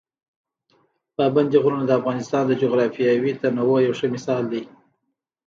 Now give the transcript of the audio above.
پابندي غرونه د افغانستان د جغرافیوي تنوع یو ښه مثال دی.